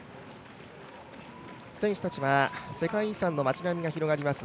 選手たちは世界遺産の町並みが広がります